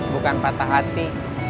bukan patah hati